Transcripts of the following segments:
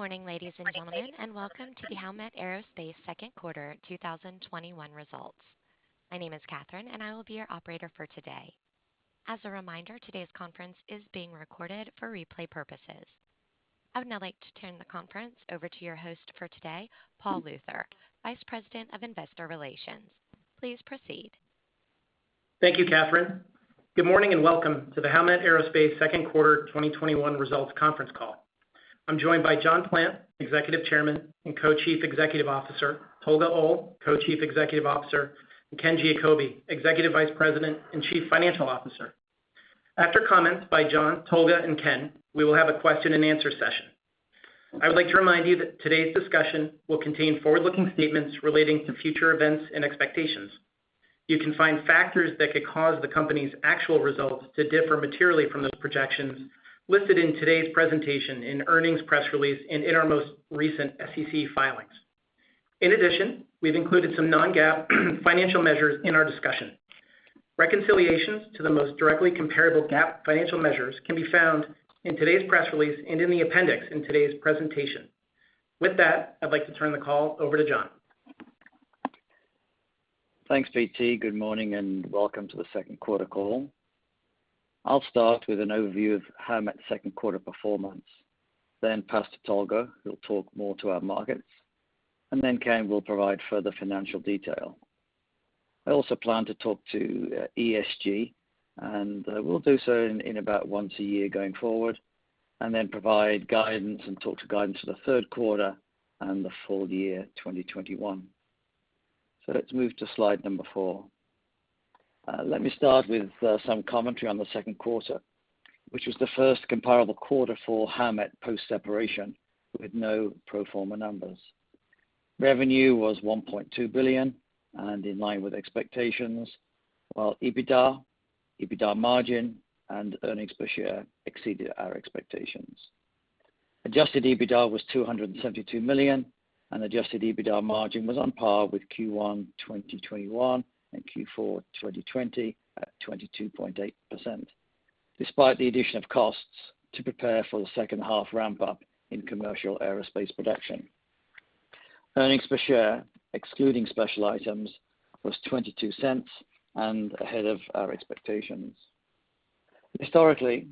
Good morning, ladies and gentlemen, and welcome to the Howmet Aerospace second quarter 2021 results. My name is Catherine, and I will be your operator for today. As a reminder, today's conference is being recorded for replay purposes. I would now like to turn the conference over to your host for today, Paul Luther, Vice President of Investor Relations. Please proceed. Thank you, Catherine. Good morning, and welcome to the Howmet Aerospace second quarter 2021 results conference call. I'm joined by John Plant, Executive Chairman and Co-Chief Executive Officer, Tolga Oal, Co-Chief Executive Officer, and Ken Giacobbe, Executive Vice President and Chief Financial Officer. After comments by John, Tolga, and Ken, we will have a question and answer session. I would like to remind you that today's discussion will contain forward-looking statements relating to future events and expectations. You can find factors that could cause the company's actual results to differ materially from those projections listed in today's presentation, in earnings press release, and in our most recent SEC filings. In addition, we've included some non-GAAP financial measures in our discussion. Reconciliations to the most directly comparable GAAP financial measures can be found in today's press release and in the appendix in today's presentation. With that, I'd like to turn the call over to John. Thanks, PT. Good morning and welcome to the second quarter call. I'll start with an overview of Howmet second quarter performance, then pass to Tolga, who'll talk more to our markets, and then Ken will provide further financial detail. I also plan to talk to ESG, and we'll do so in about once a year going forward, and then provide guidance and talk to guidance for the third quarter and the full year 2021. Let's move to slide number four. Let me start with some commentary on the second quarter, which was the first comparable quarter for Howmet post-separation, with no pro forma numbers. Revenue was $1.2 billion and in line with expectations, while EBITDA margin, and earnings per share exceeded our expectations. Adjusted EBITDA was $272 million, and adjusted EBITDA margin was on par with Q1 2021 and Q4 2020 at 22.8%, despite the addition of costs to prepare for the second half ramp up in commercial aerospace production. Earnings per share, excluding special items, was $0.22 and ahead of our expectations. Historically,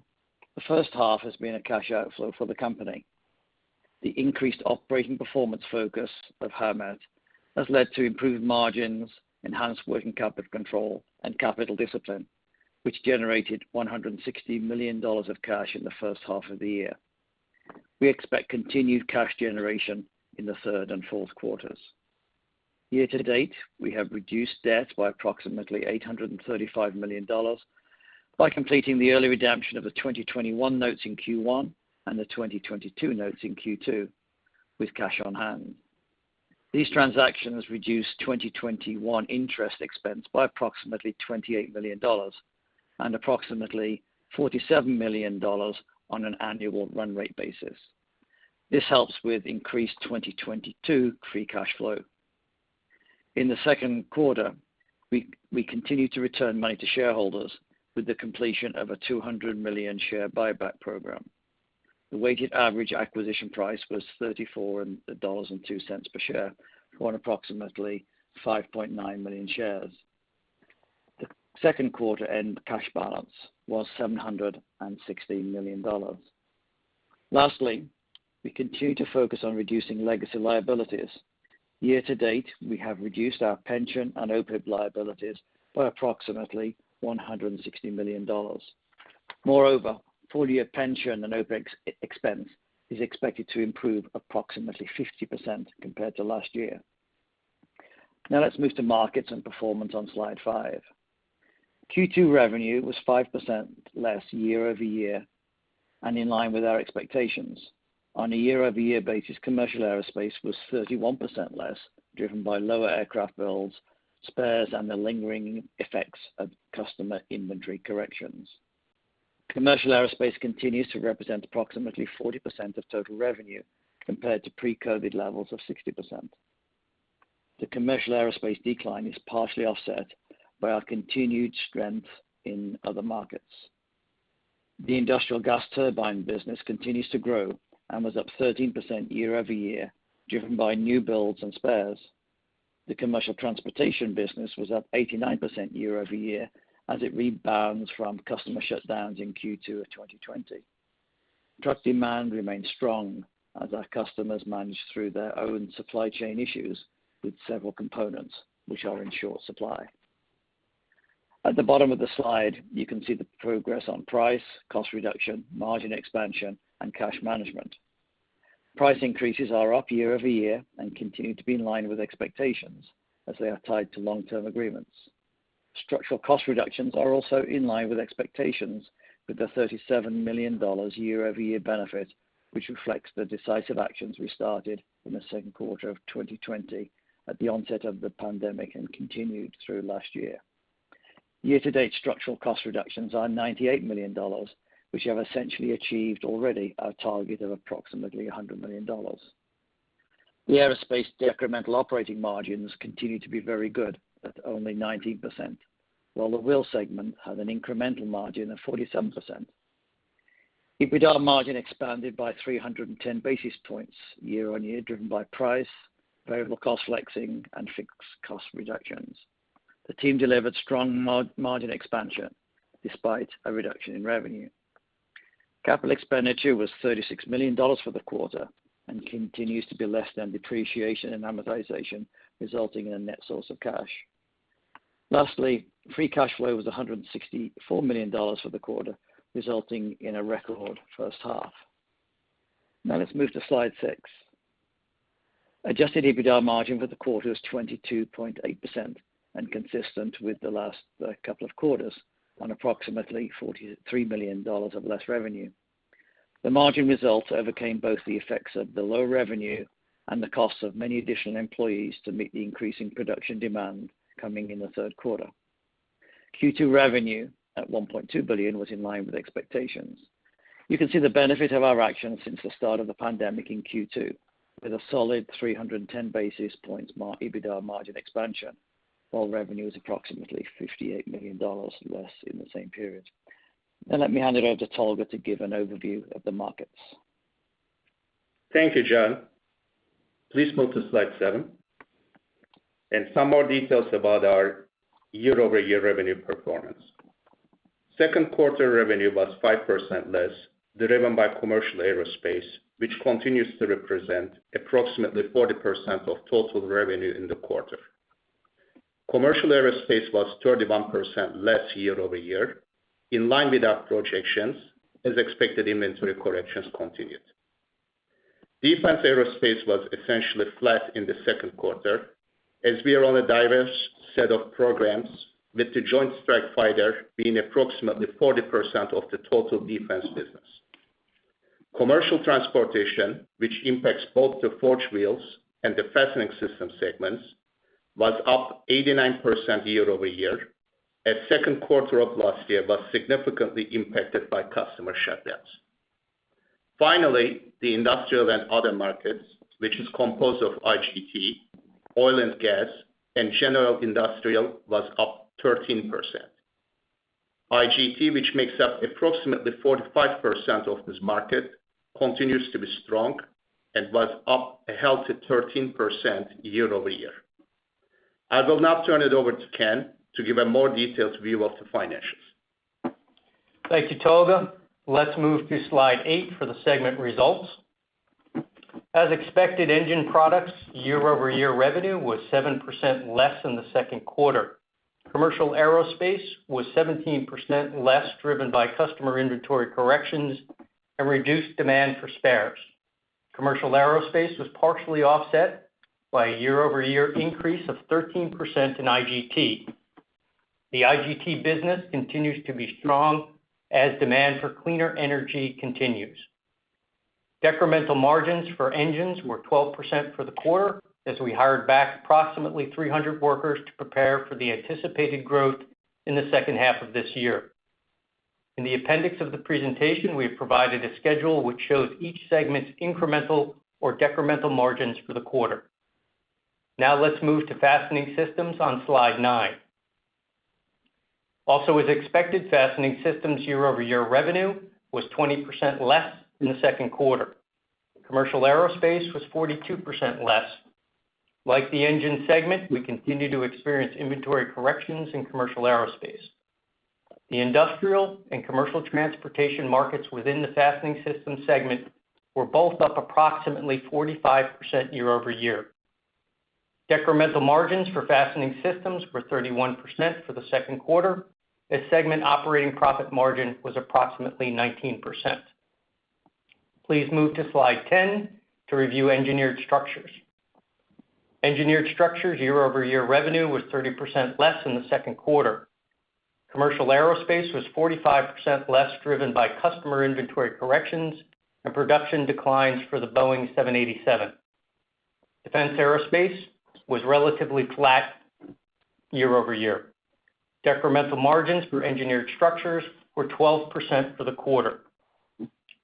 the first half has been a cash outflow for the company. The increased operating performance focus of Howmet has led to improved margins, enhanced working capital control, and capital discipline, which generated $160 million of cash in the first half of the year. We expect continued cash generation in the third and fourth quarters. Year to date, we have reduced debt by approximately $835 million by completing the early redemption of the 2021 notes in Q1 and the 2022 notes in Q2 with cash on hand. These transactions reduced 2021 interest expense by approximately $28 million and approximately $47 million on an annual run rate basis. This helps with increased 2022 free cash flow. In the second quarter, we continued to return money to shareholders with the completion of a $200 million share buyback program. The weighted average acquisition price was $34.02 per share on approximately 5.9 million shares. The second quarter end cash balance was $716 million. Lastly, we continue to focus on reducing legacy liabilities. Year to date, we have reduced our pension and OPEB liabilities by approximately $160 million. Moreover, full-year pension and OPEB expense is expected to improve approximately 50% compared to last year. Now let's move to markets and performance on slide five. Q2 revenue was 5% less year-over-year and in line with our expectations. On a year-over-year basis, commercial aerospace was 31% less, driven by lower aircraft builds, spares, and the lingering effects of customer inventory corrections. Commercial aerospace continues to represent approximately 40% of total revenue compared to pre-COVID levels of 60%. The commercial aerospace decline is partially offset by our continued strength in other markets. The industrial gas turbine business continues to grow and was up 13% year-over-year, driven by new builds and spares. The commercial transportation business was up 89% year-over-year as it rebounds from customer shutdowns in Q2 of 2020. Truck demand remains strong as our customers manage through their own supply chain issues with several components which are in short supply. At the bottom of the slide, you can see the progress on price, cost reduction, margin expansion, and cash management. Price increases are up year-over-year and continue to be in line with expectations as they are tied to long-term agreements. Structural cost reductions are also in line with expectations, with the $37 million year-over-year benefit, which reflects the decisive actions we started in the second quarter of 2020 at the onset of the pandemic and continued through last year. Year-to-date structural cost reductions are $98 million, which have essentially achieved already our target of approximately $100 million. The aerospace decremental operating margins continue to be very good at only 19%, while the wheel segment had an incremental margin of 47%. EBITDA margin expanded by 310 basis points year-on-year, driven by price, variable cost flexing, and fixed cost reductions. The team delivered strong margin expansion despite a reduction in revenue. Capital expenditure was $36 million for the quarter and continues to be less than depreciation and amortization, resulting in a net source of cash. Lastly, free cash flow was $164 million for the quarter, resulting in a record first half. Now let's move to slide six. Adjusted EBITDA margin for the quarter was 22.8% and consistent with the last couple of quarters on approximately $43 million of less revenue. The margin results overcame both the effects of the low revenue and the costs of many additional employees to meet the increasing production demand coming in the third quarter. Q2 revenue at $1.2 billion was in line with expectations. You can see the benefit of our actions since the start of the pandemic in Q2, with a solid 310 basis points EBITDA margin expansion, while revenue is approximately $58 million less in the same period. Now let me hand it over to Tolga Oal to give an overview of the markets. Thank you, John. Please move to slide seven. Some more details about our year-over-year revenue performance. Second quarter revenue was 5% less, driven by commercial aerospace, which continues to represent approximately 40% of total revenue in the quarter. Commercial aerospace was 31% less year-over-year, in line with our projections, as expected inventory corrections continued. Defense aerospace was essentially flat in the second quarter, as we are on a diverse set of programs, with the Joint Strike Fighter being approximately 40% of the total defense business. Commercial transportation, which impacts both the Forged Wheels and the Fastening Systems segments, was up 89% year-over-year, as second quarter of last year was significantly impacted by customer shutdowns. Finally, the industrial and other markets, which is composed of IGT, oil and gas, and general industrial, was up 13%. IGT, which makes up approximately 45% of this market, continues to be strong and was up a healthy 13% year-over-year. I will now turn it over to Ken to give a more detailed view of the financials. Thank you, Tolga. Let's move to slide eight for the segment results. As expected, Engine Products year-over-year revenue was 7% less than the second quarter. Commercial aerospace was 17% less, driven by customer inventory corrections and reduced demand for spares. Commercial aerospace was partially offset by a year-over-year increase of 13% in IGT. The IGT business continues to be strong as demand for cleaner energy continues. Decremental margins for engines were 12% for the quarter as we hired back approximately 300 workers to prepare for the anticipated growth in the second half of this year. In the appendix of the presentation, we have provided a schedule which shows each segment's incremental or decremental margins for the quarter. Let's move to Fastening Systems on slide nine. As expected, Fastening Systems year-over-year revenue was 20% less in the second quarter. Commercial aerospace was 42% less. Like the Engine Products segment, we continue to experience inventory corrections in commercial aerospace. The industrial and commercial transportation markets within the Fastening Systems segment were both up approximately 45% year-over-year. Decremental margins for Fastening Systems were 31% for the second quarter, as segment operating profit margin was approximately 19%. Please move to slide 10 to review Engineered Structures. Engineered Structures year-over-year revenue was 30% less than the second quarter. Commercial aerospace was 45% less, driven by customer inventory corrections and production declines for the Boeing 787. Defense aerospace was relatively flat year-over-year. Decremental margins for Engineered Structures were 12% for the quarter.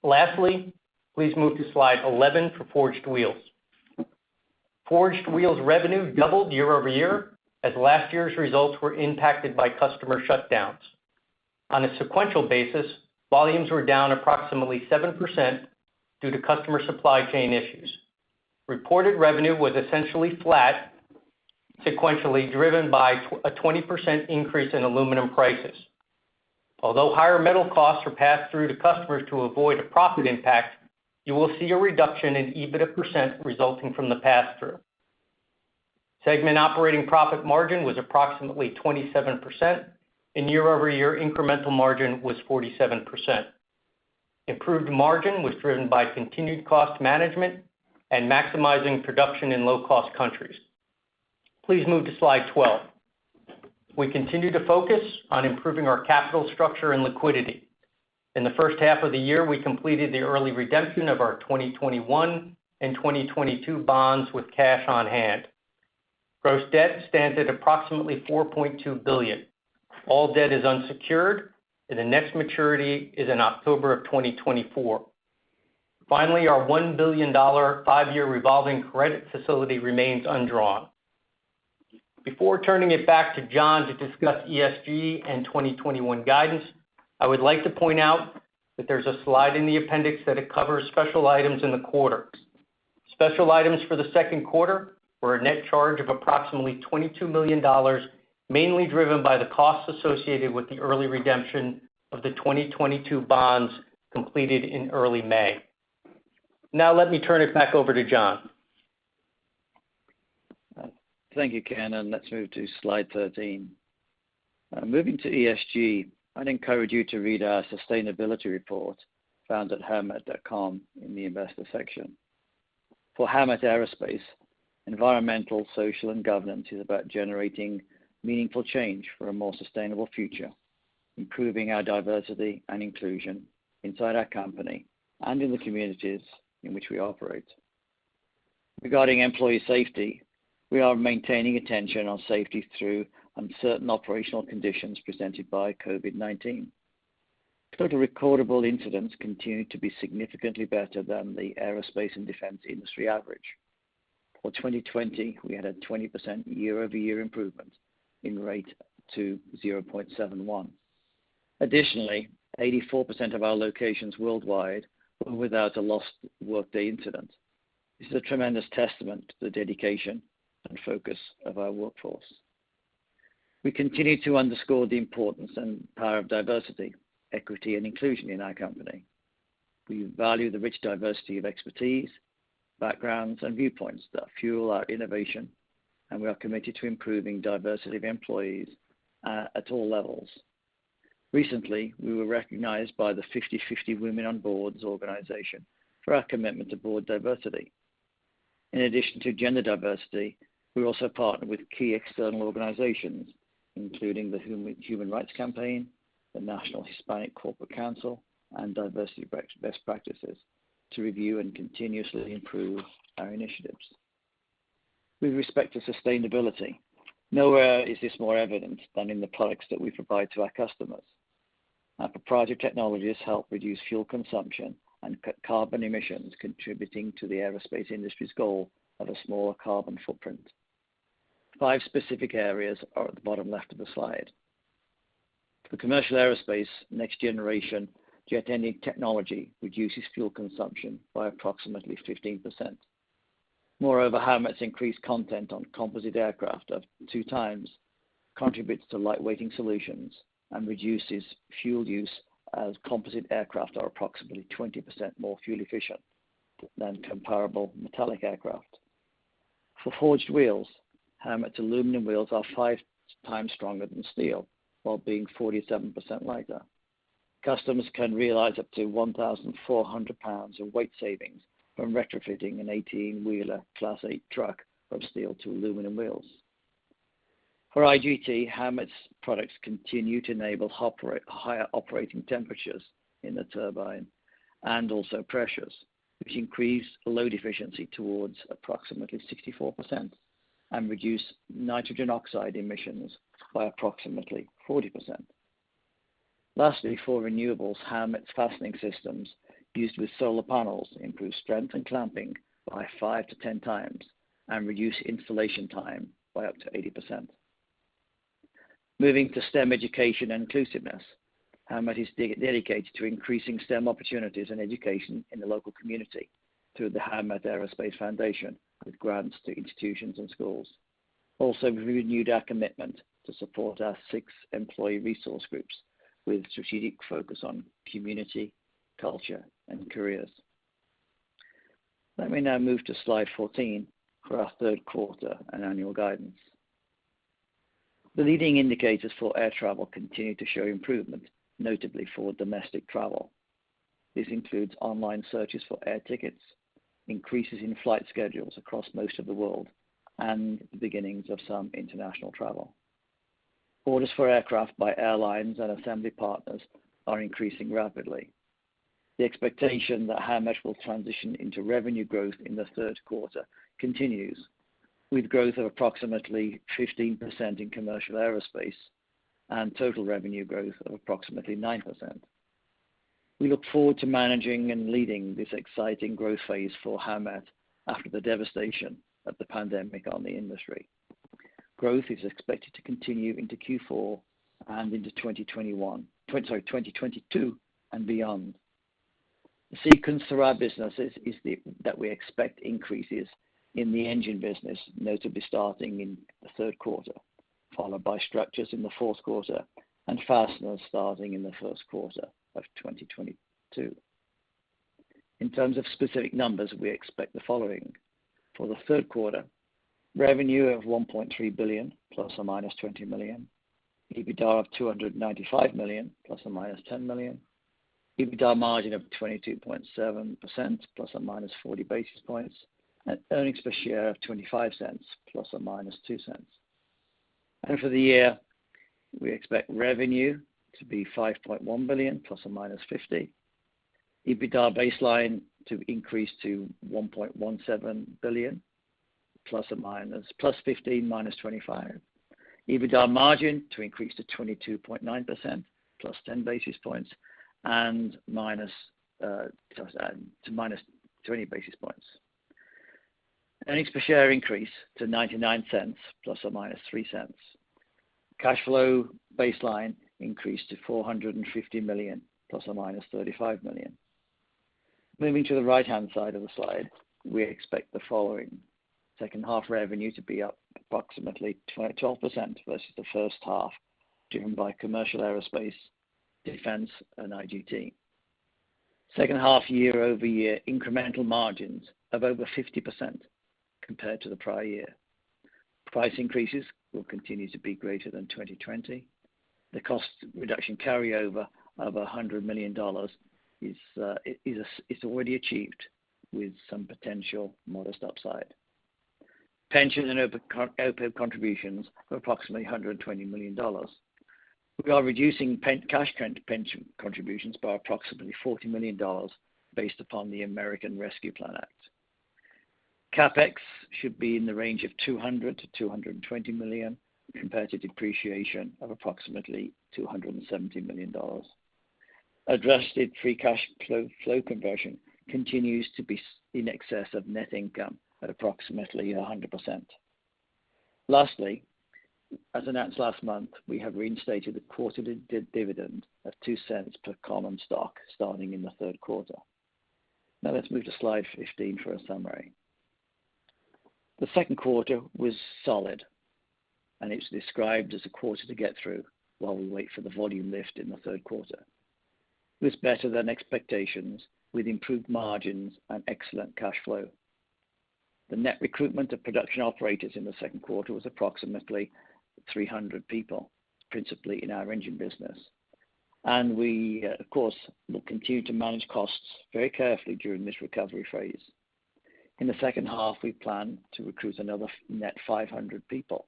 Lastly, please move to slide 11 for Forged Wheels. Forged Wheels revenue doubled year-over-year as last year's results were impacted by customer shutdowns. On a sequential basis, volumes were down approximately 7% due to customer supply chain issues. Reported revenue was essentially flat sequentially, driven by a 20% increase in aluminum prices. Although higher metal costs were passed through to customers to avoid a profit impact, you will see a reduction in EBITDA % resulting from the pass-through. Segment operating profit margin was approximately 27%, and year-over-year incremental margin was 47%. Improved margin was driven by continued cost management and maximizing production in low-cost countries. Please move to slide 12. We continue to focus on improving our capital structure and liquidity. In the first half of the year, we completed the early redemption of our 2021 and 2022 bonds with cash on hand. Gross debt stands at approximately $4.2 billion. All debt is unsecured, and the next maturity is in October of 2024. Finally, our $1 billion five-year revolving credit facility remains undrawn. Before turning it back to John to discuss ESG and 2021 guidance, I would like to point out that there's a slide in the appendix that it covers special items in the quarter. Special items for the second quarter were a net charge of approximately $22 million, mainly driven by the costs associated with the early redemption of the 2022 bonds completed in early May. Now, let me turn it back over to John. Thank you, Ken, and let's move to slide 13. Moving to ESG, I'd encourage you to read our sustainability report found at howmet.com in the investor section. For Howmet Aerospace, environmental, social, and governance is about generating meaningful change for a more sustainable future, improving our diversity and inclusion inside our company and in the communities in which we operate. Regarding employee safety, we are maintaining attention on safety through uncertain operational conditions presented by COVID-19. Total recordable incidents continue to be significantly better than the aerospace and defense industry average. For 2020, we had a 20% year-over-year improvement in rate to 0.71. Additionally, 84% of our locations worldwide went without a lost workday incident. This is a tremendous testament to the dedication and focus of our workforce. We continue to underscore the importance and power of diversity, equity, and inclusion in our company. We value the rich diversity of expertise, backgrounds, and viewpoints that fuel our innovation, and we are committed to improving diversity of employees at all levels. Recently, we were recognized by the 50/50 Women on Boards organization for our commitment to board diversity. In addition to gender diversity, we also partner with key external organizations, including the Human Rights Campaign, the National Hispanic Corporate Council, and Diversity Best Practices to review and continuously improve our initiatives. With respect to sustainability, nowhere is this more evident than in the products that we provide to our customers. Our proprietary technologies help reduce fuel consumption and cut carbon emissions, contributing to the aerospace industry's goal of a smaller carbon footprint. Five specific areas are at the bottom left of the slide. For commercial aerospace, next generation jet engine technology reduces fuel consumption by approximately 15%. Moreover, Howmet's increased content on composite aircraft of two times contributes to lightweighting solutions and reduces fuel use, as composite aircraft are approximately 20% more fuel efficient than comparable metallic aircraft. For Forged Wheels, Howmet's aluminum wheels are five times stronger than steel while being 47% lighter. Customers can realize up to 1,400 pounds of weight savings from retrofitting an 18-wheeler Class 8 truck from steel to aluminum wheels. For IGT, Howmet's products continue to enable higher operating temperatures in the turbine and also pressures, which increase load efficiency towards approximately 64% and reduce nitrogen oxide emissions by approximately 40%. Lastly, for renewables, Howmet's Fastening Systems used with solar panels improve strength and clamping by five to 10 times and reduce installation time by up to 80%. Moving to STEM education and inclusiveness, Howmet is dedicated to increasing STEM opportunities and education in the local community through the Howmet Aerospace Foundation, with grants to institutions and schools. We renewed our commitment to support our six employee resource groups with strategic focus on community, culture, and careers. Let me now move to slide 14 for our third quarter and annual guidance. The leading indicators for air travel continue to show improvement, notably for domestic travel. This includes online searches for air tickets, increases in flight schedules across most of the world, and the beginnings of some international travel. Orders for aircraft by airlines and assembly partners are increasing rapidly. The expectation that Howmet will transition into revenue growth in the third quarter continues, with growth of approximately 15% in commercial aerospace and total revenue growth of approximately 9%. We look forward to managing and leading this exciting growth phase for Howmet after the devastation of the pandemic on the industry. Growth is expected to continue into Q4 and into 2022 and beyond. The sequence for our businesses is that we expect increases in the Engine Products, notably starting in the third quarter, followed by Engineered Structures in the fourth quarter and Fastening Systems starting in the first quarter of 2022. In terms of specific numbers, we expect the following. For the third quarter, revenue of $1.3 billion ±$20 million, EBITDA of $295 million ±$10 million, EBITDA margin of 22.7% ±40 basis points, and earnings per share of $0.25 ±$0.02. For the year, we expect revenue to be $5.1 billion ±$50 million. EBITDA baseline to increase to $1.17 billion plus $15 million, minus $25 million. EBITDA margin to increase to 22.9% +10 basis points to -20 basis points. Earnings per share increase to $0.99 ±$0.03. Cash flow baseline increase to $450 million, ±$35 million. Moving to the right-hand side of the slide, we expect the following. Second half revenue to be up approximately 12% versus the first half, driven by commercial aerospace, defense, and IGT. Second half year-over-year incremental margins of over 50% compared to the prior year. Price increases will continue to be greater than 2020. The cost reduction carryover of $100 million is already achieved with some potential modest upside. Pensions and OPEB contributions of approximately $120 million. We are reducing cash pension contributions by approximately $40 million based upon the American Rescue Plan Act. CapEx should be in the range of $200 million-$220 million compared to depreciation of approximately $270 million. Adjusted free cash flow conversion continues to be in excess of net income at approximately 100%. Lastly, as announced last month, we have reinstated the quarter dividend of $0.02 per common stock starting in the third quarter. Let's move to slide 15 for a summary. The second quarter was solid, and it's described as a quarter to get through while we wait for the volume lift in the third quarter. It was better than expectations, with improved margins and excellent cash flow. The net recruitment of production operators in the second quarter was approximately 300 people, principally in our engine business. We, of course, will continue to manage costs very carefully during this recovery phase. In the second half, we plan to recruit another net 500 people.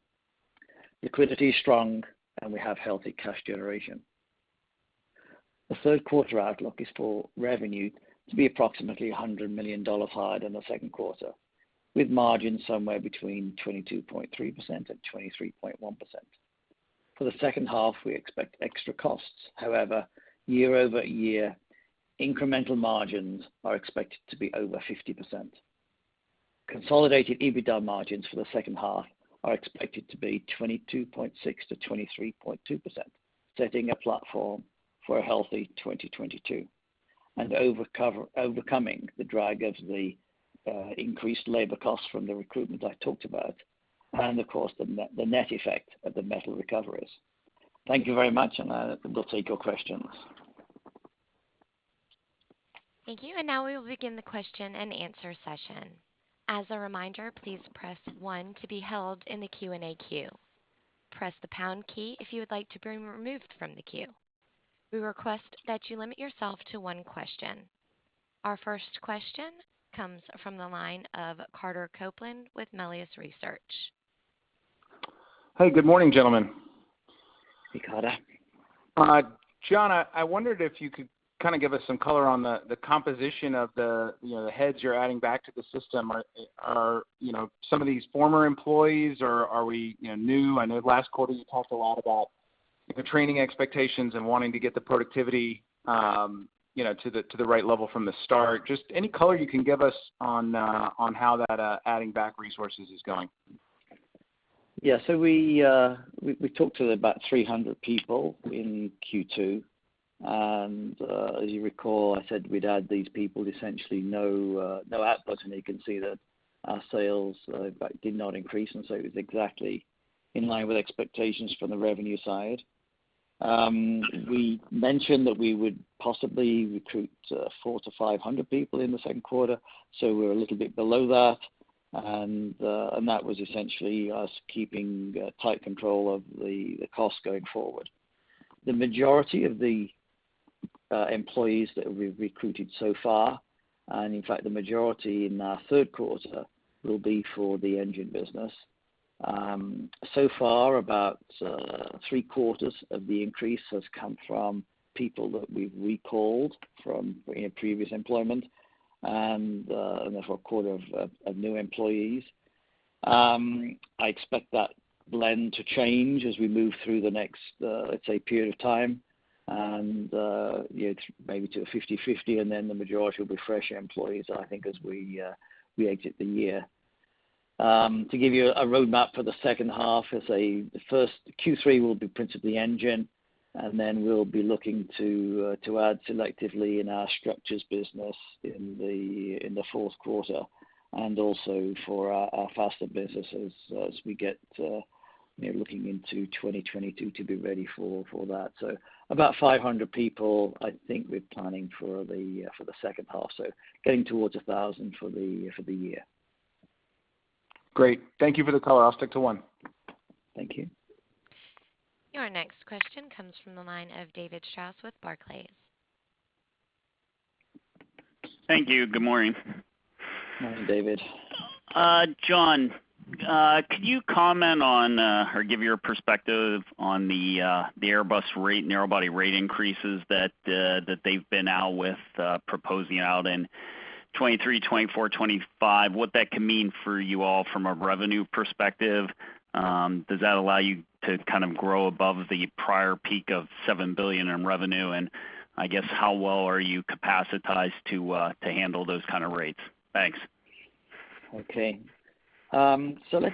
Liquidity is strong, and we have healthy cash generation. The third quarter outlook is for revenue to be approximately $100 million higher than the second quarter, with margins somewhere between 22.3% and 23.1%. For the second half, we expect extra costs. However, year-over-year incremental margins are expected to be over 50%. Consolidated EBITDA margins for the second half are expected to be 22.6% to 23.2%, setting a platform for a healthy 2022 and overcoming the drag of the increased labor costs from the recruitment I talked about and, of course, the net effect of the metal recoveries. Thank you very much. We'll take your questions. Thank you. Now we will begin the question and answer session. As a reminder, please press 1 to be held in the Q&A queue. Press the pound key if you would like to be removed from the queue. We request that you limit yourself to 1 question. Our first question comes from the line of Carter Copeland with Melius Research. Hey, good morning, gentlemen. Hey, Carter. John, I wondered if you could give us some color on the composition of the heads you're adding back to the system. Are some of these former employees or are we new? I know last quarter you talked a lot about the training expectations and wanting to get the productivity to the right level from the start. Just any color you can give us on how that adding back resources is going. Yeah. We talked to about 300 people in Q2, and as you recall, I said we'd add these people, essentially no outputs, and you can see that our sales, in fact, did not increase, and so it was exactly in line with expectations from the revenue side. We mentioned that we would possibly recruit 400 to 500 people in the second quarter, so we're a little bit below that, and that was essentially us keeping tight control of the cost going forward. The majority of the employees that we've recruited so far, and in fact, the majority in our third quarter, will be for the engine business. So far, about three-quarters of the increase has come from people that we've recalled from previous employment and therefore a quarter of new employees. I expect that blend to change as we move through the next, let's say, period of time and maybe to a 50/50, and then the majority will be fresh employees, I think, as we exit the year. To give you a roadmap for the second half, let's say the first Q3 will be principally engine, and then we'll be looking to add selectively in our structures business in the fourth quarter and also for our Fastening Systems businesses as we get looking into 2022 to be ready for that. About 500 people, I think we're planning for the second half, so getting towards 1,000 for the year. Great. Thank you for the color. I'll stick to one. Thank you. Your next question comes from the line of David Strauss with Barclays. Thank you. Good morning. Morning, David. John, could you comment on or give your perspective on the Airbus narrow-body rate increases that they've been out with proposing out in 2023, 2024, 2025, what that can mean for you all from a revenue perspective? Does that allow you to grow above the prior peak of $7 billion in revenue? I guess, how well are you capacitized to handle those kind of rates? Thanks. Okay. Let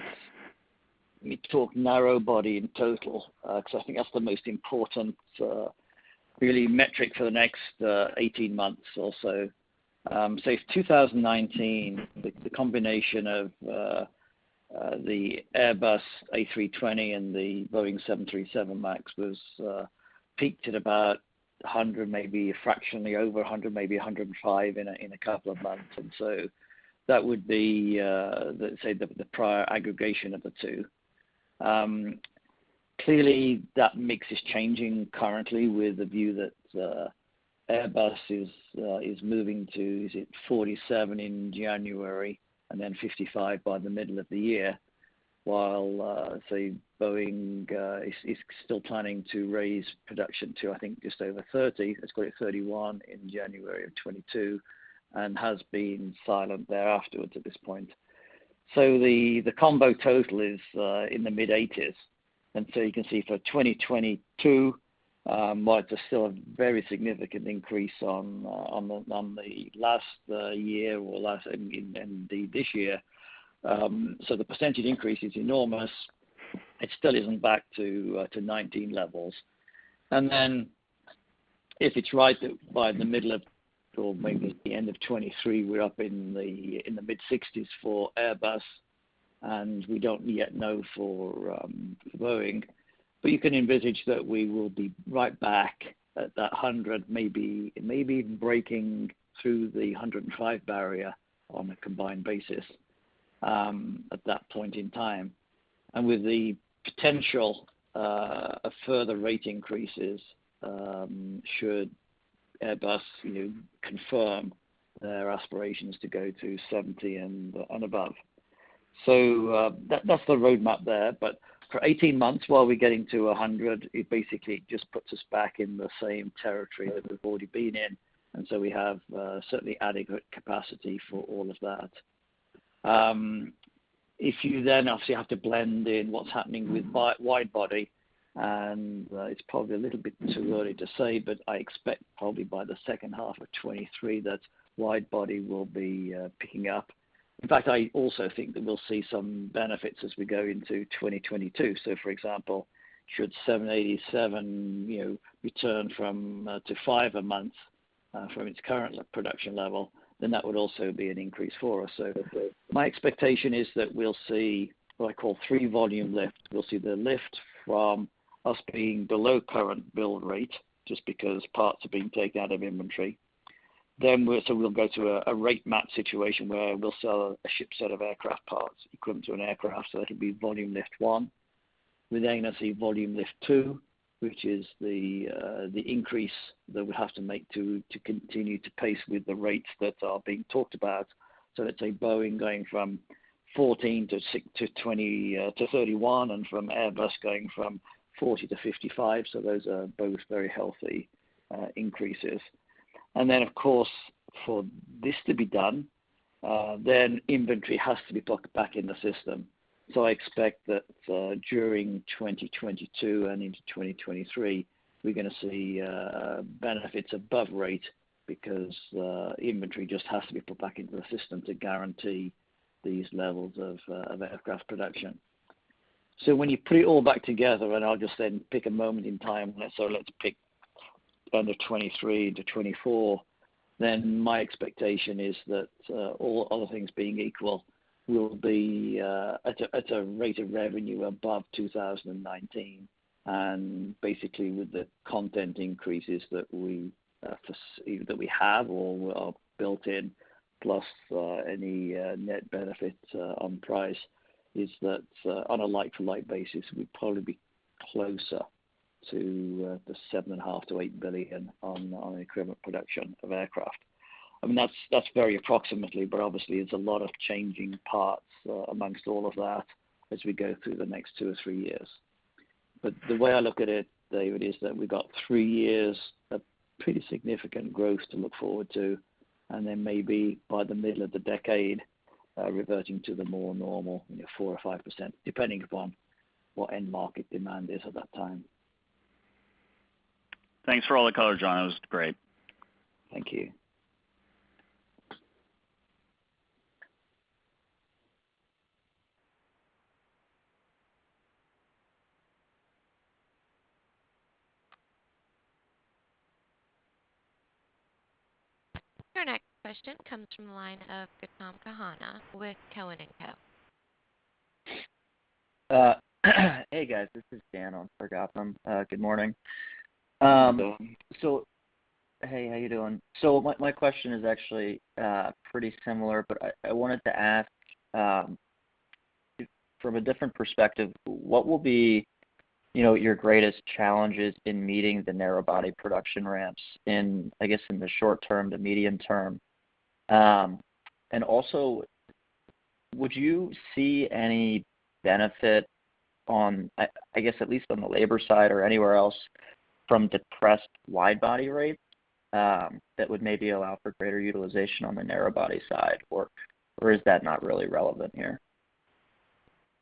me talk narrow body in total, because I think that's the most important metric for the next 18 months or so. For 2019, the combination of the Airbus A320 and the Boeing 737 MAX peaked at about 100, maybe fractionally over 100, maybe 105 in a couple of months. That would be, let's say, the prior aggregation of the two. Clearly, that mix is changing currently with the view that Airbus is moving to, is it 47 in January and then 55 by the middle of the year, while Boeing is still planning to raise production to, I think just over 30. Let's call it 31 in January of 2022, and has been silent there afterwards at this point. The combo total is in the mid-80s. You can see for 2022, while it's still a very significant increase on the last year or this year. The percentage increase is enormous. It still isn't back to 2019 levels. If it's right that by the middle of, or maybe the end of 2023, we're up in the mid-60s for Airbus, and we don't yet know for Boeing. You can envisage that we will be right back at that 100, maybe even breaking through the 105 barrier on a combined basis at that point in time. With the potential of further rate increases, should Airbus confirm their aspirations to go to 70 and above. That's the roadmap there. For 18 months, while we're getting to 100, it basically just puts us back in the same territory that we've already been in. We have certainly adequate capacity for all of that. If you then obviously have to blend in what's happening with wide body, and it's probably a little bit too early to say, but I expect probably by the second half of 2023, that wide body will be picking up. In fact, I also think that we'll see some benefits as we go into 2022. For example, should 787 return to five a month from its current production level, then that would also be an increase for us. My expectation is that we'll see what I call three volume lifts. We'll see the lift from us being below current build rate, just because parts are being taken out of inventory. We'll go to a rate map situation where we'll sell a ship set of aircraft parts equivalent to an aircraft. That'll be volume lift one. We see volume lift two, which is the increase that we have to make to continue to pace with the rates that are being talked about. Let's say Boeing going from 14 to 31 and from Airbus going from 40 to 55. Those are both very healthy increases. Of course, for this to be done, then inventory has to be put back in the system. I expect that during 2022 and into 2023, we're going to see benefits above rate because inventory just has to be put back into the system to guarantee these levels of aircraft production. When you put it all back together, I'll just then pick a moment in time. Let's pick end of 2023 to 2024, my expectation is that all other things being equal, we'll be at a rate of revenue above 2019. Basically, with the content increases that we have or are built in, plus any net benefit on price, is that on a like-to-like basis, we'd probably be closer to the $7.5 billion-$8 billion on equivalent production of aircraft. That's very approximately. Obviously, there's a lot of changing parts amongst all of that as we go through the next two or three years. The way I look at it, David, is that we got three years of pretty significant growth to look forward to, and then maybe by the middle of the decade, reverting to the more normal 4% or 5%, depending upon what end market demand is at that time. Thanks for all the color, John. That was great. Thank you. Our next question comes from the line of Gautam Khanna with Cowen and Company. Hey, guys, this is Dan on for Gautam. Good morning. Hey, Dan. Hey, how you doing? My question is actually pretty similar. I wanted to ask from a different perspective, what will be your greatest challenges in meeting the narrowbody production ramps in the short term, the medium term? Also, would you see any benefit on, I guess, at least on the labor side or anywhere else from depressed widebody rates, that would maybe allow for greater utilization on the narrowbody side? Is that not really relevant here?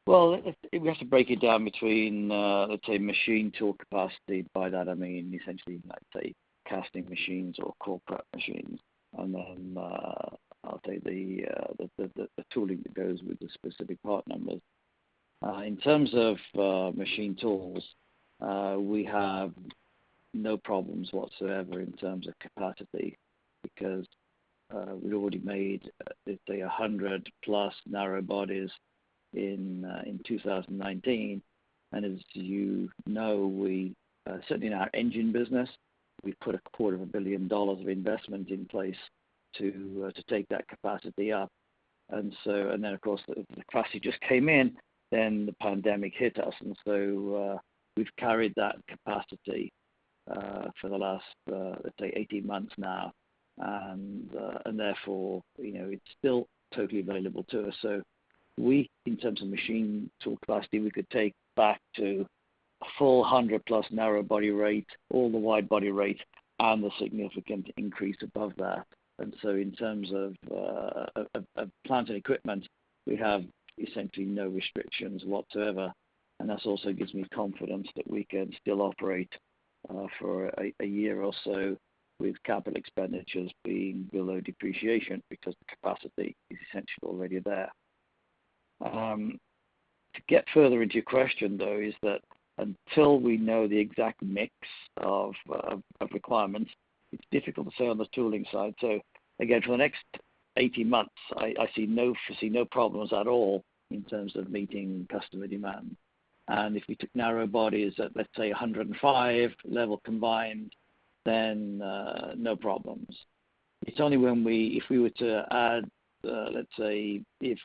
Well, we have to break it down between, let's say, machine tool capacity. By that I mean essentially, let's say, casting machines or forging machines. Then I'll say the tooling that goes with the specific part numbers. In terms of machine tools, we have no problems whatsoever in terms of capacity because we'd already made, let's say, 100-plus narrowbodies in 2019. As you know, certainly in our engine business, we put a quarter of a billion dollars of investment in place to take that capacity up. Then, of course, the capacity just came in, then the pandemic hit us. So we've carried that capacity for the last, let's say, 18 months now, and therefore, it's still totally available to us. We, in terms of machine tool capacity, we could take back to full 100-plus narrowbody rate, all the widebody rate, and the significant increase above that. In terms of plant and equipment, we have essentially no restrictions whatsoever. That also gives me confidence that we can still operate for a year or so with capital expenditures being below depreciation because the capacity is essentially already there. To get further into your question, though, is that until we know the exact mix of requirements, it's difficult to say on the tooling side. Again, for the next 18 months, I see no problems at all in terms of meeting customer demand. If we took narrowbodies at, let's say, 105 level combined, then no problems. It's only if we were to add, let's say, if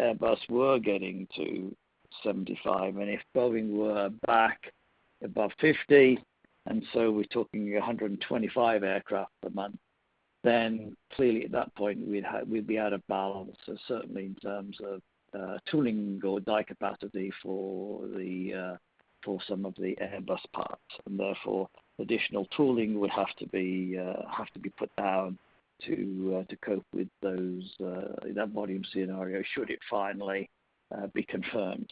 Airbus were getting to 75 and if Boeing were back above 50, we're talking 125 aircraft a month, clearly at that point, we'd be out of balance. Certainly in terms of tooling or die capacity for some of the Airbus parts, additional tooling would have to be put down to cope with those in that volume scenario, should it finally be confirmed.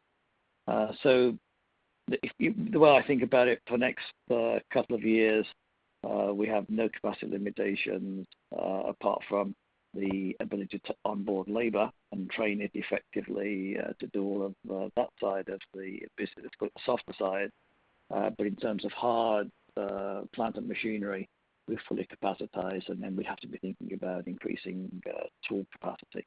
The way I think about it, for the next couple of years, we have no capacity limitations, apart from the ability to onboard labor and train it effectively, to do all of that side of the business. It's called the softer side. In terms of hard, plant and machinery, we're fully capacitized, we have to be thinking about increasing tool capacity.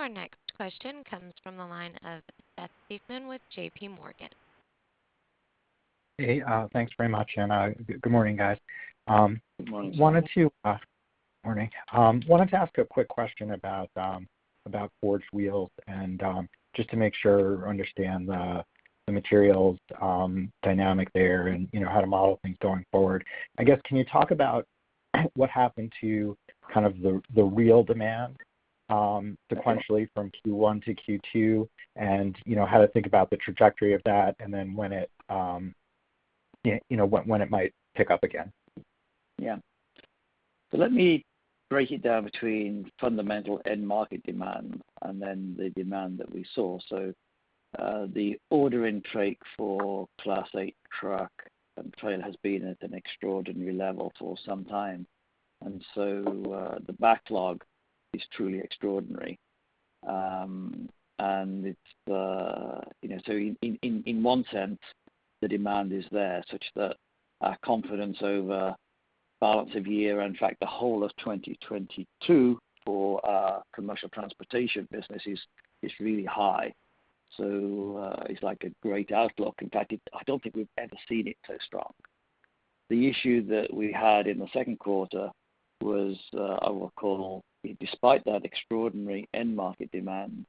Your next question comes from the line of Seth Seifman with JPMorgan. Hey, thanks very much. Good morning, guys. Good morning. Morning. Wanted to ask a quick question about Forged Wheels and just to make sure I understand the materials dynamic there and how to model things going forward. I guess, can you talk about what happened to the real demand sequentially from Q1 to Q2, and how to think about the trajectory of that, and then when it might pick up again? Yeah. Let me break it down between fundamental end market demand and then the demand that we saw. The order intake for Class 8 truck and trailer has been at an extraordinary level for some time. The backlog is truly extraordinary. In one sense, the demand is there such that our confidence over balance of year, in fact, the whole of 2022 for commercial transportation business is really high. It's like a great outlook. In fact, I don't think we've ever seen it so strong. The issue that we had in the second quarter was, I recall, despite that extraordinary end market demand,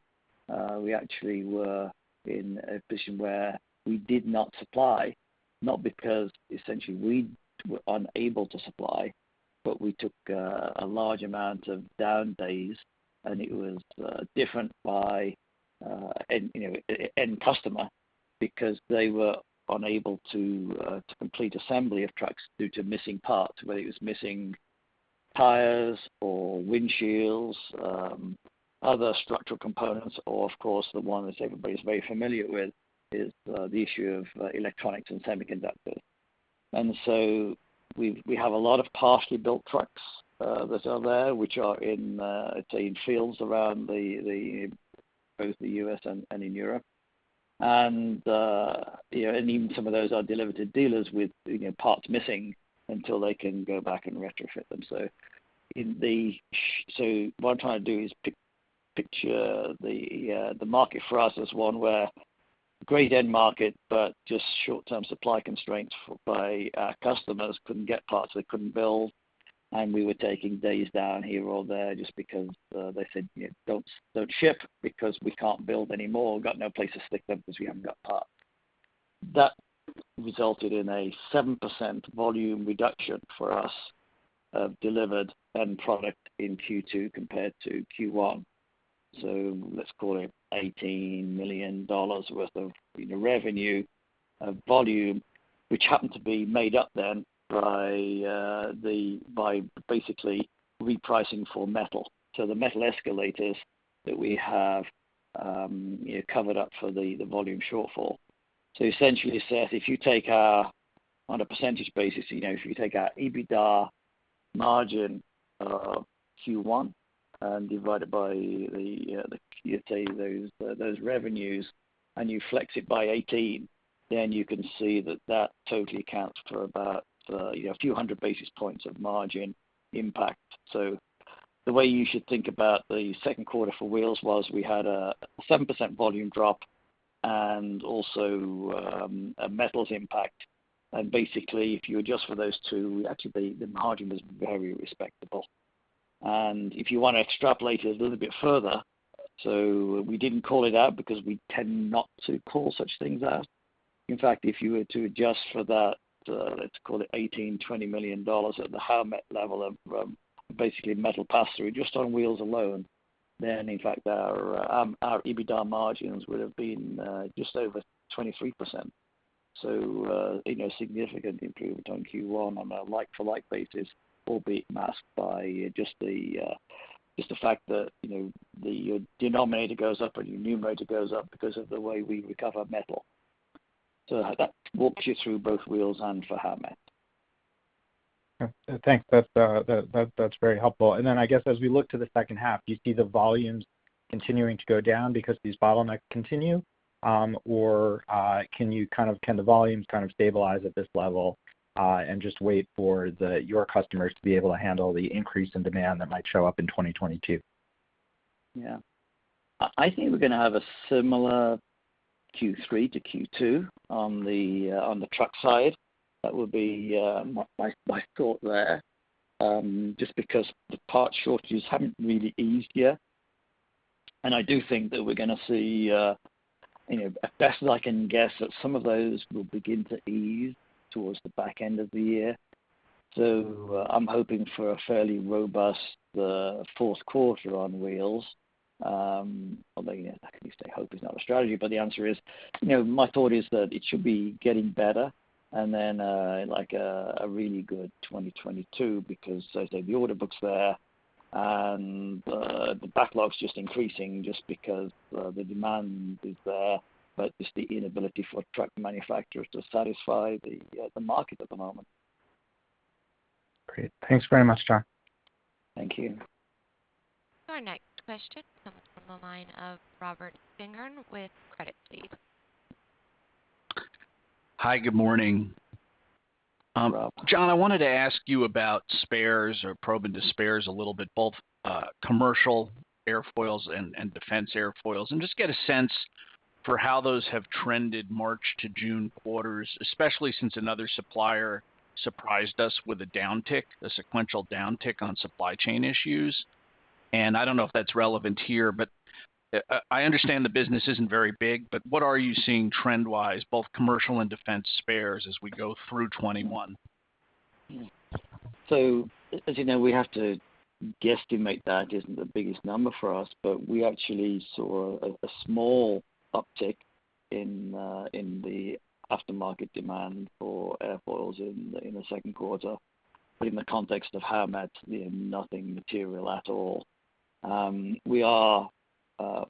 we actually were in a position where we did not supply, not because essentially we were unable to supply, but we took a large amount of down days, and it was different by end customer because they were unable to complete assembly of trucks due to missing parts, whether it was missing tires or windshields, other structural components, or of course, the one which everybody's very familiar with is the issue of electronics and semiconductors. So we have a lot of partially built trucks that are there, which are in fields around both the U.S. and in Europe. Even some of those are delivered to dealers with parts missing until they can go back and retrofit them. What I'm trying to do is picture the market for us as one where. Great end market, but just short-term supply constraints by customers couldn't get parts they couldn't build, and we were taking days down here or there just because they said, Don't ship because we can't build anymore. Got no place to stick them because we haven't got parts. That resulted in a 7% volume reduction for us of delivered end product in Q2 compared to Q1. Let's call it $18 million worth of revenue volume, which happened to be made up then by basically repricing for metal. The metal escalators that we have covered up for the volume shortfall. Essentially, Seth, on a percentage basis, if you take our EBITDA margin, Q1 and divide it by those revenues, and you flex it by 18, then you can see that totally accounts for about a few hundred basis points of margin impact. The way you should think about the second quarter for Wheels was we had a 7% volume drop and also a metals impact. Basically, if you adjust for those two, actually the margin was very respectable. If you want to extrapolate it a little bit further, we didn't call it out because we tend not to call such things out. In fact, if you were to adjust for that, let's call it $18 million-$20 million at the Howmet level of basically metal pass-through just on Wheels alone, then in fact, our EBITDA margins would have been just over 23%. Significant improvement on Q1 on a like-for-like basis, albeit masked by just the fact that the denominator goes up and your numerator goes up because of the way we recover metal. That walks you through both Wheels and for Howmet. Okay. Thanks. That's very helpful. I guess as we look to the second half, do you see the volumes continuing to go down because these bottlenecks continue? Can the volumes stabilize at this level, and just wait for your customers to be able to handle the increase in demand that might show up in 2022? Yeah. I think we're going to have a similar Q3 to Q2 on the truck side. That would be my thought there. Just because the part shortages haven't really eased yet. I do think that we're going to see, at best I can guess, that some of those will begin to ease towards the back end of the year. I'm hoping for a fairly robust fourth quarter on Wheels. Although, like you say, hope is not a strategy, but the answer is, my thought is that it should be getting better and then a really good 2022 because, as I say, the order book's there and the backlog's just increasing just because the demand is there, but it's the inability for truck manufacturers to satisfy the market at the moment. Great. Thanks very much, John. Thank you. Our next question comes from the line of Robert Spingarn with Credit Suisse. Hi, good morning. Good morning. John, I wanted to ask you about spares or probe into spares a little bit, both commercial airfoils and defense airfoils, and just get a sense for how those have trended March to June quarters, especially since another supplier surprised us with a downtick, a sequential downtick on supply chain issues. I don't know if that's relevant here, but I understand the business isn't very big, but what are you seeing trend-wise, both commercial and defense spares as we go through 2021? As you know, we have to guesstimate that. Isn't the biggest number for us, but we actually saw a small uptick in the aftermarket demand for airfoils in the second quarter. In the context of Howmet, nothing material at all. We are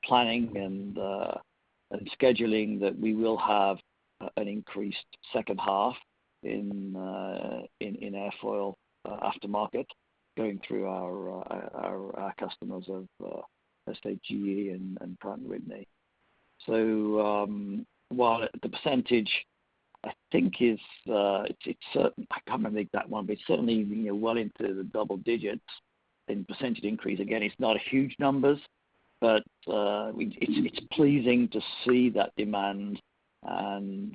planning and scheduling that we will have an increased second half in airfoil aftermarket going through our customers of, let's say, GE and Pratt & Whitney. While the %, I can't remember the exact one, but it's certainly well into the double digits in % increase. Again, it's not huge numbers, but it's pleasing to see that demand and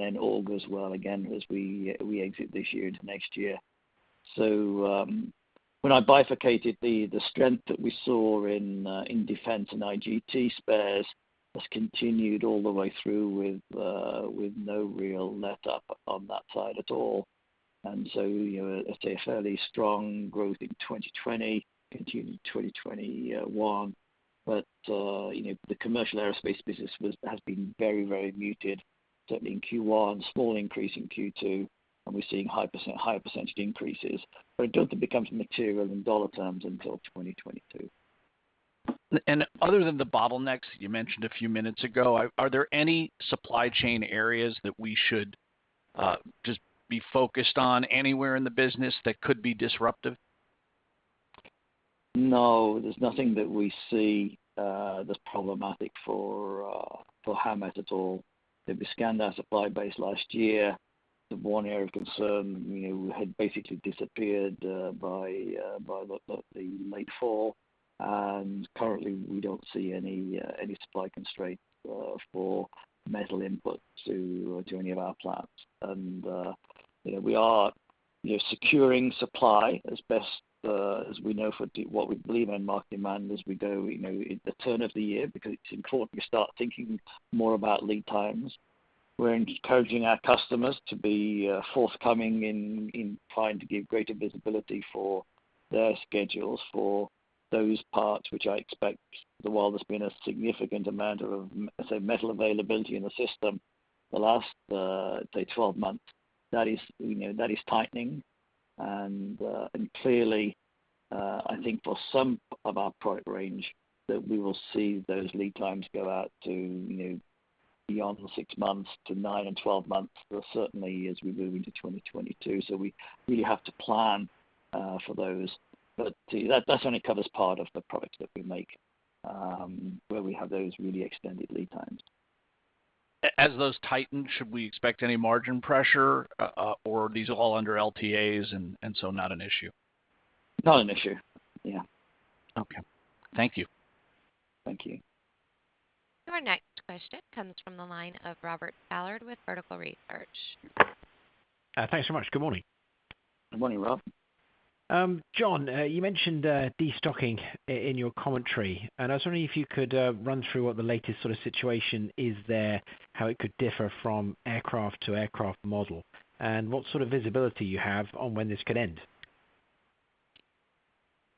then all goes well again as we exit this year into next year. When I bifurcated the strength that we saw in defense and IGT spares has continued all the way through with no real letup on that side at all. Let's say a fairly strong growth in 2020 continued in 2021. The commercial aerospace business has been very muted, certainly in Q1, small increase in Q2, and we're seeing higher % increases, but I don't think it becomes material in dollar terms until 2022. Other than the bottlenecks you mentioned a few minutes ago, are there any supply chain areas that we should just be focused on anywhere in the business that could be disruptive? No, there's nothing that we see that's problematic for Howmet at all. We scanned our supply base last year. The one area of concern had basically disappeared by the late fall, currently we don't see any supply constraint for metal input to any of our plants. We are securing supply as best as we know for what we believe in market demand as we go. At the turn of the year, because it's important we start thinking more about lead times, we're encouraging our customers to be forthcoming in trying to give greater visibility for their schedules for those parts, which I expect the world has been a significant amount of, say, metal availability in the system the last, say, 12 months. That is tightening. Clearly, I think for some of our product range, that we will see those lead times go out to beyond the 6 months to 9 and 12 months, certainly as we move into 2022. We really have to plan for those. That only covers part of the products that we make, where we have those really extended lead times. As those tighten, should we expect any margin pressure, or these are all under LTAs and so not an issue? Not an issue. Yeah. Okay. Thank you. Thank you. Your next question comes from the line of Robert Stallard with Vertical Research. Thanks so much. Good morning. Good morning, Rob. John, you mentioned de-stocking in your commentary, and I was wondering if you could run through what the latest situation is there, how it could differ from aircraft to aircraft model, and what sort of visibility you have on when this could end.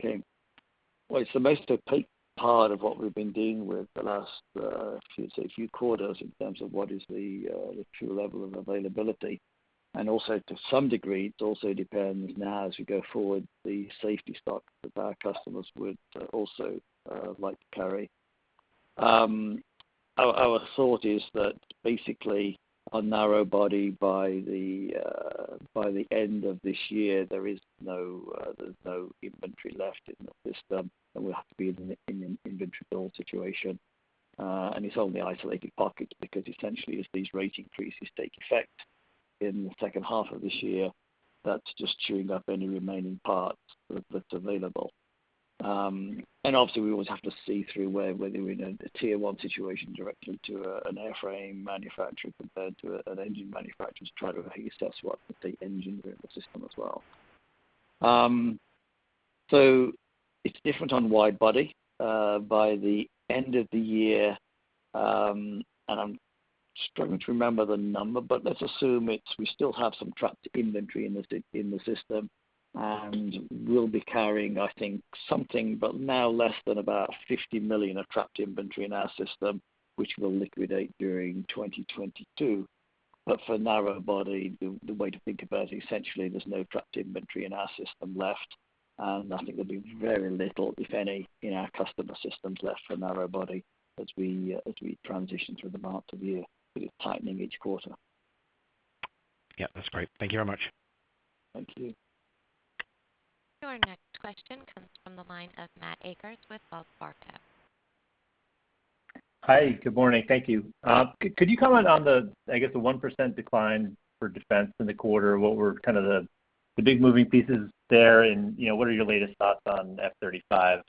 Okay. Well, it's the most opaque part of what we've been dealing with the last, should say, few quarters in terms of what is the true level of availability, and also to some degree, it also depends now as we go forward, the safety stock that our customers would also like to carry. Our thought is that basically on narrow body by the end of this year, there's no inventory left in the system, and we'll have to be in an inventory build situation. It's only isolated pockets because essentially, as these rate increases take effect in the second half of this year, that's just chewing up any remaining parts that are available. Obviously, we always have to see through whether we're in a tier 1 situation directly to an airframe manufacturer compared to an engine manufacturer to try to assess what the engines are in the system as well. It's different on wide body. By the end of the year, I'm struggling to remember the number, but let's assume we still have some trapped inventory in the system, and we'll be carrying, I think, something, but now less than about $50 million of trapped inventory in our system, which will liquidate during 2022. For narrow body, the way to think about it, essentially, there's no trapped inventory in our system left. I think there'll be very little, if any, in our customer systems left for narrow body as we transition through the mark of the year. It is tightening each quarter. Yeah. That's great. Thank you very much. Thank you. Your next question comes from the line of Matthew Akers with Wells Fargo. Hi. Good morning. Thank you. Could you comment on the, I guess, the 1% decline for defense in the quarter? What were the big moving pieces there, and what are your latest thoughts on F-35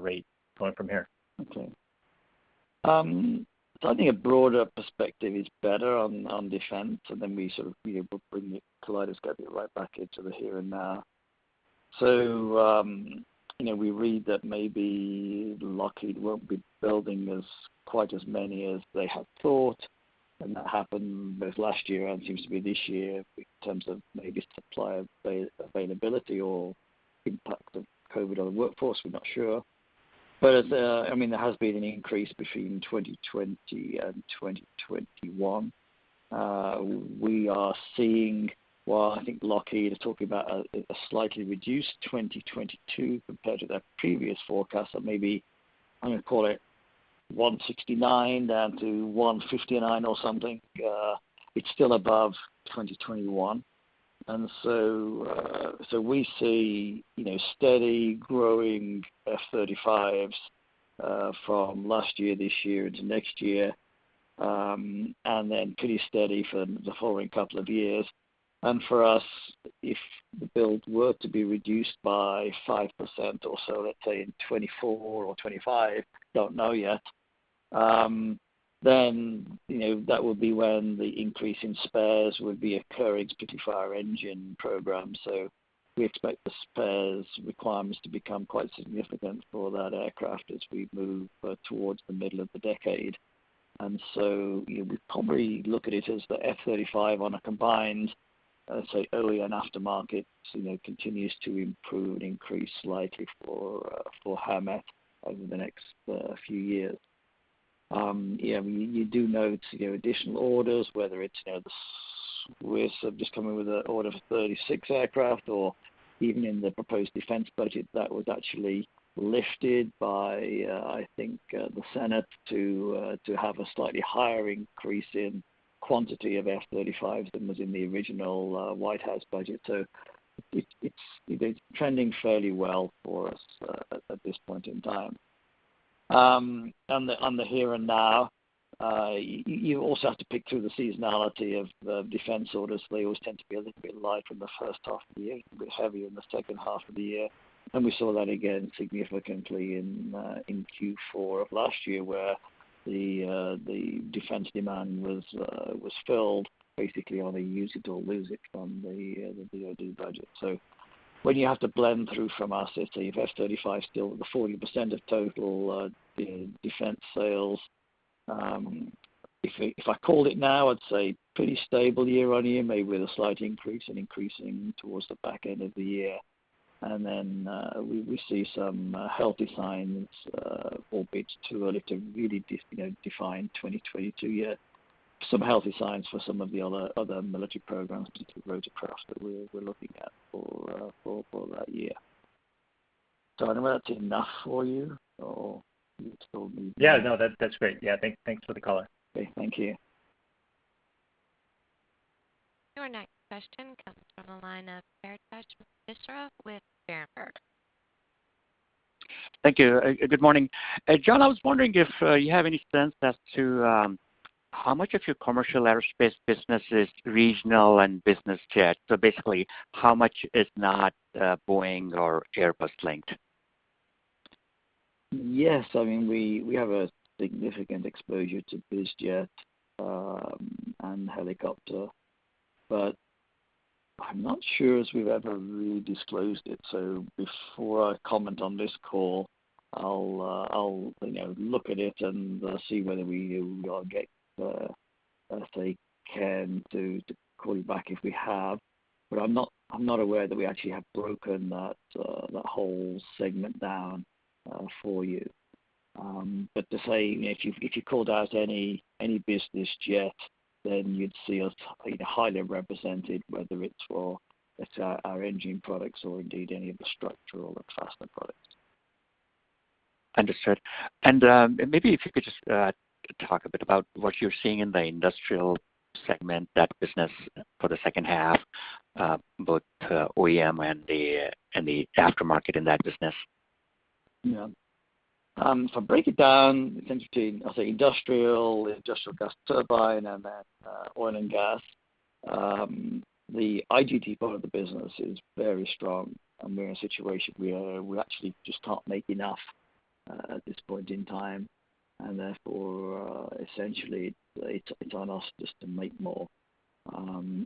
rate going from here? I think a broader perspective is better on defense, and then we bring the kaleidoscope right back into the here and now. We read that maybe Lockheed won't be building quite as many as they had thought, and that happened both last year and seems to be this year in terms of maybe supplier availability or impact of COVID on the workforce. We're not sure. There has been an increase between 2020 and 2021. We are seeing, while I think Lockheed is talking about a slightly reduced 2022 compared to their previous forecast of maybe, I'm going to call it 169 down to 159 or something, it's still above 2021. We see steady growing F-35s from last year, this year into next year, and then pretty steady for the following couple of years. For us, if the build were to be reduced by 5% or so, let's say in 2024 or 2025, don't know yet, then that would be when the increase in spares would be occurring specifically for our engine program. We expect the spares requirements to become quite significant for that aircraft as we move towards the middle of the decade. We probably look at it as the F-35 on a combined, let's say, early and aftermarket, continues to improve and increase slightly for Howmet over the next few years. You do note additional orders, whether it's the Swiss have just come in with an order for 36 aircraft or even in the proposed defense budget that was actually lifted by, I think, the Senate to have a slightly higher increase in quantity of F-35s than was in the original White House budget. It's trending fairly well for us at this point in time. On the here and now, you also have to pick through the seasonality of the defense orders. They always tend to be a little bit light in the first half of the year, a bit heavier in the second half of the year. We saw that again significantly in Q4 of last year, where the defense demand was filled basically on a use it or lose it from the DOD budget. When you have to blend through from our perspective, F-35 is still at the 40% of total defense sales. If I called it now, I'd say pretty stable year-on-year, maybe with a slight increase and increasing towards the back end of the year. Then we see some healthy signs, albeit too early to really define 2022 yet. Some healthy signs for some of the other military programs, particularly rotorcraft, that we're looking at for that year. I don't know if that's enough for you. Yeah, no, that's great. Yeah. Thanks for the color. Okay. Thank you. Your next question comes from the line of Barindesh Mishra with Berenberg. Thank you. Good morning. John, I was wondering if you have any sense as to how much of your commercial aerospace business is regional and business jet. Basically, how much is not Boeing or Airbus linked? Yes, we have a significant exposure to business jet and helicopter, I'm not sure as we've ever really disclosed it. Before I comment on this call, I'll look at it and see whether we can call you back if we have. I'm not aware that we actually have broken that whole segment down for you. To say, if you called out any business jet, you'd see us highly represented, whether it's our Engine Products or indeed any of the structural or Fastening Systems products. Understood. Maybe if you could just talk a bit about what you're seeing in the industrial segment, that business for the second half, both OEM and the aftermarket in that business. Yeah. If I break it down between, I'll say industrial gas turbine, and then oil and gas. The IGT part of the business is very strong, and we're in a situation where we actually just can't make enough at this point in time, and therefore, essentially, it's on us just to make more.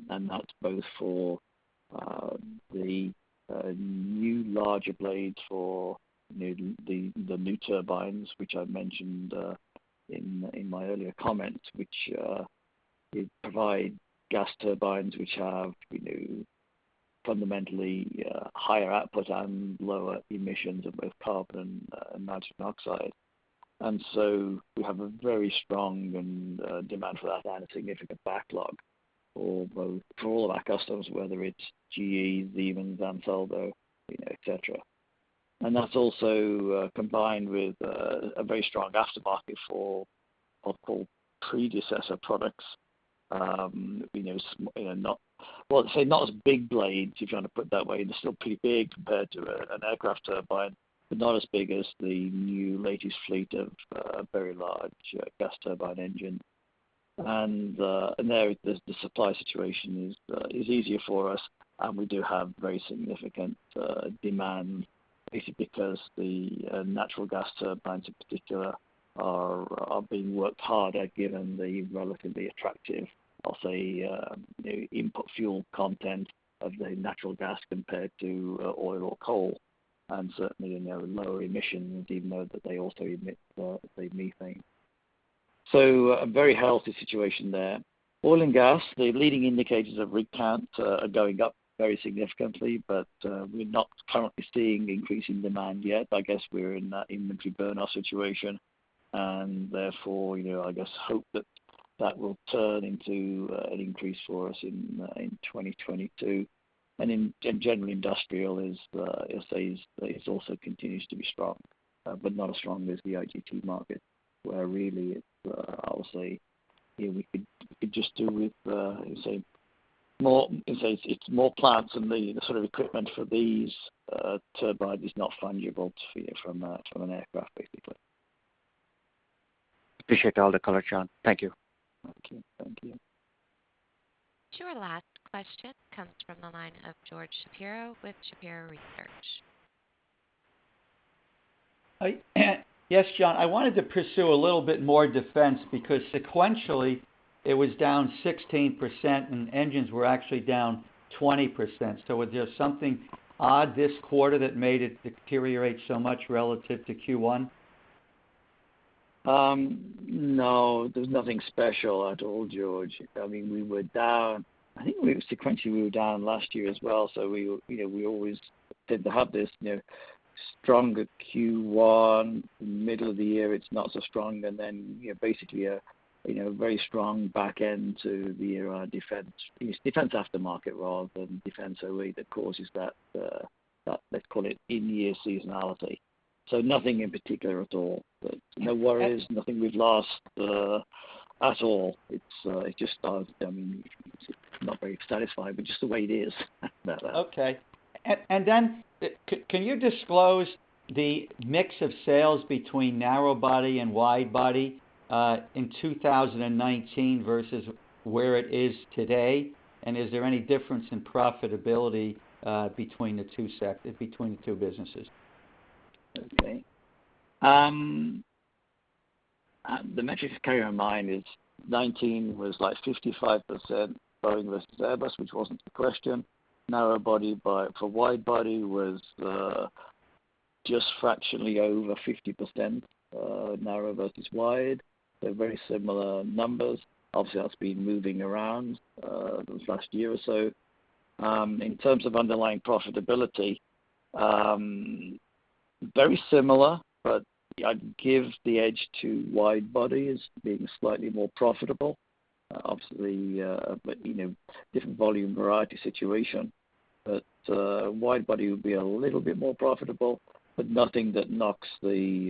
That's both for the new larger blades for the new turbines, which I mentioned in my earlier comments, which we provide gas turbines, which have fundamentally higher output and lower emissions of both carbon and nitrogen oxide. We have a very strong demand for that and a significant backlog for all of our customers, whether it's GE, Siemens, Ansaldo, et cetera. That's also combined with a very strong aftermarket for what I'll call predecessor products. Well, say not as big blades, if you want to put it that way. They're still pretty big compared to an aircraft turbine, but not as big as the new latest fleet of very large gas turbine engine. There, the supply situation is easier for us, and we do have very significant demand, basically because the natural gas turbines, in particular, are being worked harder given the relatively attractive, I'll say, input fuel content of the natural gas compared to oil or coal, and certainly lower emissions, even though they also emit the methane. A very healthy situation there. Oil and gas, the leading indicators of rig count are going up very significantly, but we're not currently seeing increasing demand yet. I guess we're in that inventory burnout situation, and therefore, I just hope that will turn into an increase for us in 2022. In general, industrial, I'll say, it also continues to be strong, but not as strong as the IGT market, where really, I'll say we could just do with more plants and the sort of equipment for these turbines is not fungible to an aircraft, basically. Appreciate all the color, John. Thank you. Thank you. Our last question comes from the line of George Shapiro with Shapiro Research. Yes, John, I wanted to pursue a little bit more defense, because sequentially, it was down 16% and engines were actually down 20%. Was there something odd this quarter that made it deteriorate so much relative to Q1? No, there's nothing special at all, George. I think sequentially we were down last year as well, so we always tend to have this stronger Q1. Middle of the year, it's not so strong, and then basically a very strong back end to the defense aftermarket rather than defense array that causes that, let's call it in-year seasonality. Nothing in particular at all. No worries. Nothing we've lost at all. It's not very satisfying, but just the way it is about that. Okay. Can you disclose the mix of sales between narrow body and wide body, in 2019 versus where it is today? Is there any difference in profitability between the two businesses? Okay. The metric to carry in mind is 2019 was 55% Boeing versus Airbus, which wasn't the question. Narrow body for wide body was just fractionally over 50% narrow versus wide. They're very similar numbers. Obviously, that's been moving around the last year or so. In terms of underlying profitability, very similar, but I'd give the edge to wide body as being slightly more profitable. Obviously, different volume, variety situation. Wide body would be a little bit more profitable, but nothing that knocks the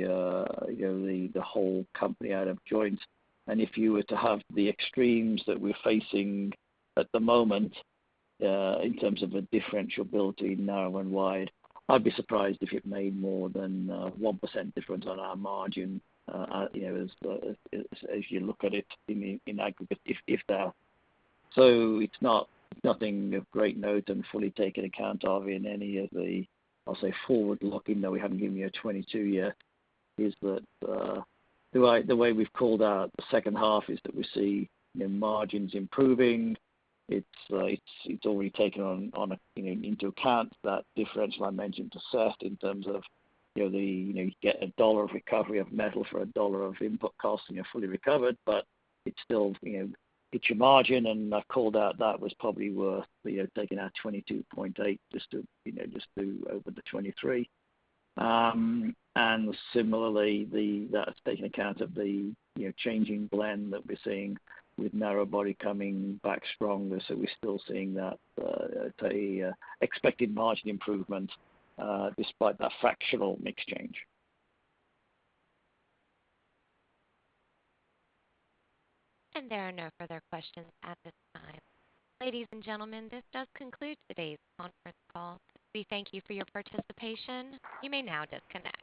whole company out of joints. If you were to have the extremes that we're facing at the moment, in terms of a differentiability narrow and wide, I'd be surprised if it made more than a 1% difference on our margin. As you look at it in aggregate, if that. It's nothing of great note and fully taken account of in any of the, I'll say, forward looking, though we haven't given you a 2022 yet, is that the way we've called out the second half is that we see margins improving. It's already taken into account that differential I mentioned to Seth Seifman in terms of, you get a $1 of recovery of metal for a $1 of input cost, and you're fully recovered, but it still hits your margin. I've called out that was probably worth taking our 22.8% just to open the 23%. Similarly, that's taking account of the changing blend that we're seeing with narrow-body coming back stronger. We're still seeing that expected margin improvement, despite that fractional mix change. There are no further questions at this time. Ladies and gentlemen, this does conclude today's conference call. We thank you for your participation. You may now disconnect.